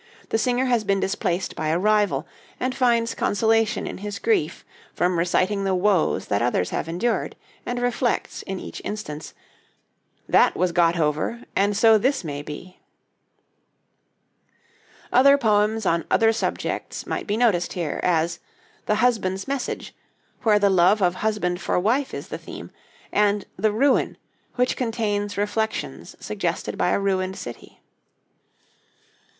The singer has been displaced by a rival, and finds consolation in his grief from reciting the woes that others have endured, and reflects in each instance, "That was got over, and so this may be." Other poems on other subjects might be noticed here; as 'The Husband's Message,' where the love of husband for wife is the theme, and 'The Ruin,' which contains reflections suggested by a ruined city.